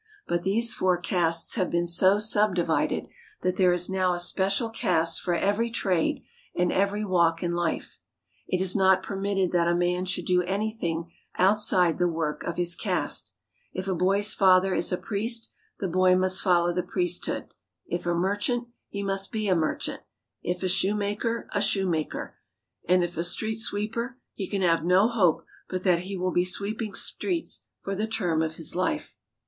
But these four castes have been so subdivided that there is now a special caste for every trade and every walk in life. It is not permitted that a man should do anything outside the work of his caste. If a boy's father is a priest, the boy must follow the priesthood ; if a merchant, he must be a merchant ; if a shoemaker, a shoemaker ; and if a street sweeper, he can have no hope but that he will be sweeping streets for the term of his life.